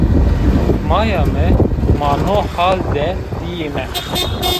Maya mi ma no hal de dîyîme